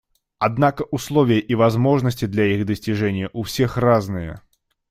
Однако условия и возможности для их достижения у всех разные.